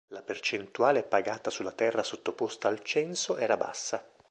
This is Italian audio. La percentuale pagata sulla terra sottoposta al "censo" era bassa.